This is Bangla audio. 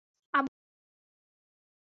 আবার দেখে ভালো লাগলো।